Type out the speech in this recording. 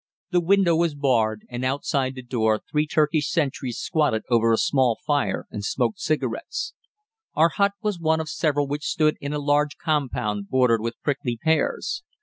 The window was barred, and outside the door three Turkish sentries squatted over a small fire and smoked cigarettes. Our hut was one of several which stood in a large compound bordered with prickly pears.